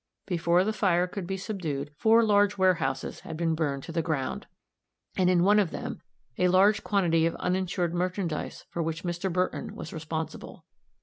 Before the fire could be subdued, four large warehouses had been burned to the ground, and in one of them a large quantity of uninsured merchandise for which Mr. Burton was responsible.